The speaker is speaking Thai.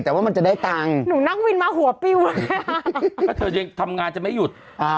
ถ้าเธอยังทำงานจะไม่หยุด